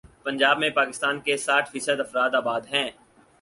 پنجاب میں پاکستان کے ساٹھ فی صد افراد آباد ہیں۔